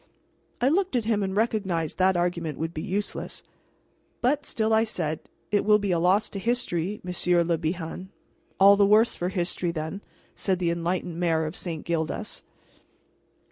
I looked at him and recognized that argument would be useless. But still I said, "It will be a loss to history, Monsieur Le Bihan." "All the worse for history, then," said the enlightened Mayor of St. Gildas.